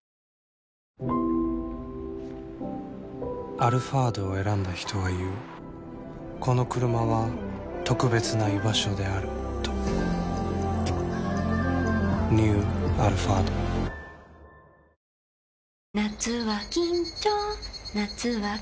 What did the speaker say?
「アルファード」を選んだ人は言うこのクルマは特別な居場所であるとニュー「アルファード」やさしいマーン！！